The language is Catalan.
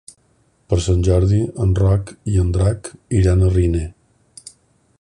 Per Sant Jordi en Roc i en Drac iran a Riner.